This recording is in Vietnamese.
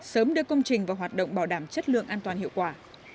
sớm đưa công trình vào hoạt động bảo đảm chất lượng an toàn hiệu quả